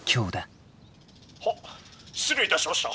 「はっ失礼いたしました」。